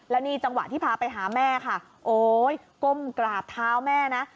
แล้วนี่จังหวะที่พาไปหาแม่ค่ะโอ๊ยก้มกราบเท้าแม่นะ